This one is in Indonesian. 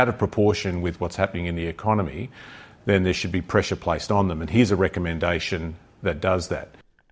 dan inilah rekomendasi yang melakukan itu